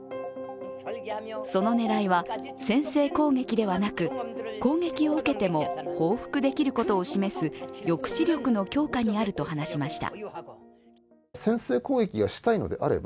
その狙いは先制攻撃ではなく攻撃を受けても報復できることを示す抑止力の強化にあると話しました。